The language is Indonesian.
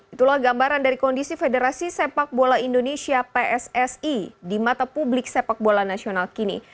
itulah gambaran dari kondisi federasi sepak bola indonesia pssi di mata publik sepak bola nasional kini